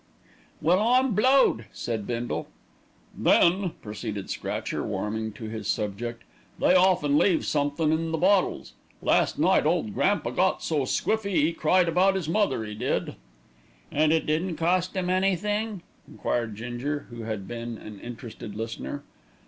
"Well, I'm blowed!" said Bindle. "Then," proceeded Scratcher, warming to his subject, "they often leaves somethin' in the bottles. Last night Ole Grandpa got so squiffy, 'e cried about 'is mother, 'e did." "An' didn't it cost 'im anything?" enquired Ginger, who had been an interested listener.